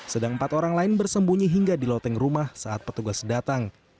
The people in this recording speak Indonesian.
sedang empat orang lain bersembunyi hingga di loteng rumah saat petugas datang